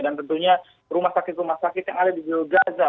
dan tentunya rumah sakit rumah sakit yang ada di jalur gaza